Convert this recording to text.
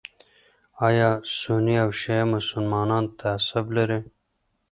ایا سني او شیعه مسلمانان تعصب لري؟